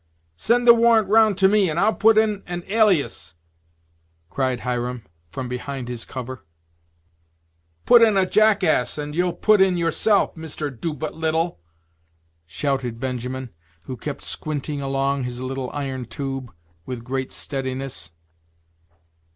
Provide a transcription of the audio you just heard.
"Send the warrant round to me, and I'll put in an alias," cried Hiram, from behind his cover. "Put in a jackass, and you'll put in yourself, Mister Doo but little," shouted Benjamin, who kept squinting along his little iron tube, with great steadiness.